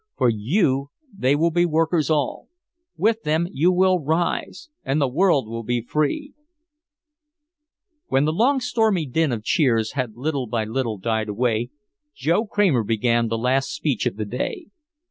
For you they will be workers all! With them you will rise and the world will be free!" When the long stormy din of cheers had little by little died away Joe Kramer began the last speech of the day.